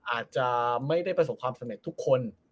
อาจจะไม่ได้ประสบความสำเร็จทุกคน